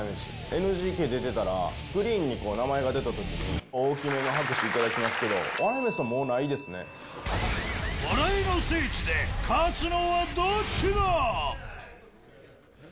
ＮＧＫ出てたら、スクリーンに名前が出たときに、大きめの拍手いただきますけど、笑い飯はも笑いの聖地で、勝つのはどっちだ？